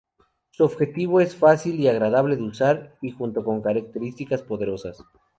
Su objetivo es ser fácil y agradable de usar y junto con características poderosas.